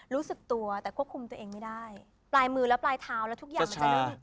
รู้สึกตัวแต่ควบคุมตัวเองไม่ได้ปลายมือและปลายเท้าแล้วทุกอย่างมันจะเริ่ม